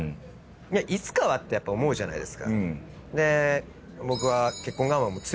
いつかはってやっぱ思うじゃないですか。